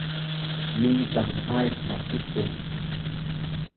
Ni cam haip masipul